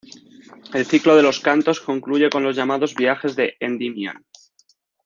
El ciclo de "Los cantos" concluye con los llamados "Viajes de Endymion".